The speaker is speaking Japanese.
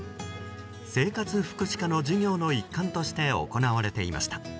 生活福祉科の授業の一環として行われていました。